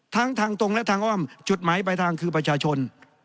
ทั้งทางตรงและทางอ้อมจุดหมายปลายทางคือประชาชน